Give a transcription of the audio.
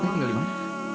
tete tinggal dimana